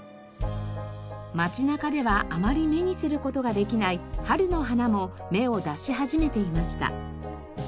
街中ではあまり目にする事ができない春の花も芽を出し始めていました。